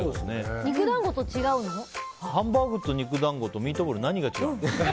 ハンバーグと肉団子とミートボールは何が違うの？